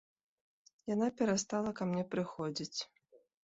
Яна перастала ка мне прыходзіць.